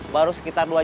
baru sekitar dua jam lagi